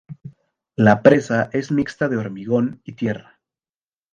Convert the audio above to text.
La presa es mixta de hormigón y tierra.